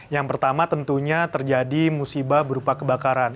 yang pertama tentunya terjadi musibah berupa kebakaran